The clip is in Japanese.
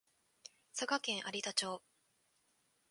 佐賀県有田町